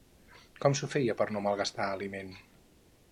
Com s'ho feien per no malgastar aliment?